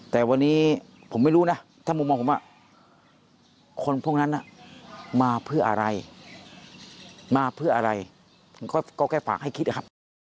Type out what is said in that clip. แต่วันนี้ผมไม่รู้นะถ้ามุมมองผมคนพวกนั้นมาเพื่ออะไรมาเพื่ออะไรก็แค่ฝากให้คิดนะครับ